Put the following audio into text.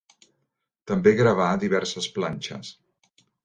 També gravà diverses planxes.